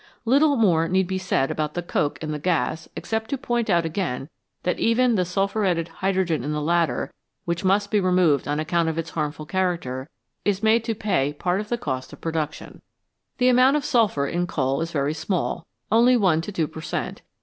Little more need be said about the coke and the gas except to point out again that even the sulphuretted hydrogen in the latter, which must be removed on account of its harmful character, is made to pay part of the cost of production. The 280 VALUABLE SUBSTANCES amount of sulphur in coal is very small, only 1 to 2 per cent.